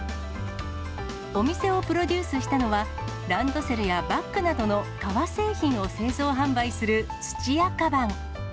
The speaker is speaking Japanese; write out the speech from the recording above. お店をプロデュースしたのは、ランドセルやバッグなどの革製品を製造・販売する土屋鞄。